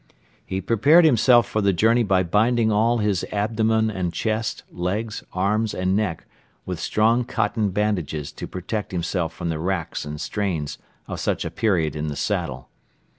He prepared himself for the journey by binding all his abdomen and chest, legs, arms and neck with strong cotton bandages to protect himself from the wracks and strains of such a period in the saddle.